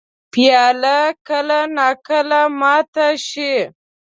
پیاله کله نا کله ماته شي.